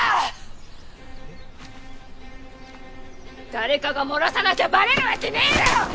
誰かが漏らさなきゃバレる訳ねぇだろ！